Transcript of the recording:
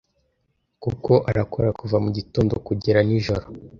kuko arakora kuva mugitondo kugera nijoro,